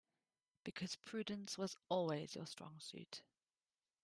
Because prudence was always your strong suit.